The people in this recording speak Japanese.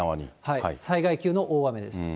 災害級の大雨です。